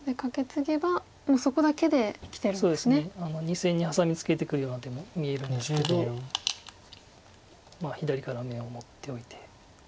そうですね２線にハサミツケてくるような手も見えるんですけどまあ左から眼を持っておいて。